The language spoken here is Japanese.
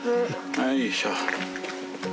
よいしょ。